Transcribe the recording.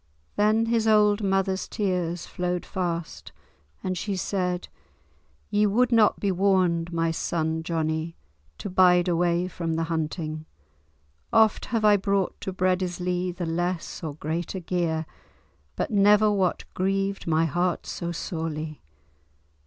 Then his old mother's tears flowed fast, and she said, "Ye would not be warned, my son Johnie, to bide away from the hunting. Oft have I brought to Breadislee the less or greater gear, but never what grieved my heart so sorely.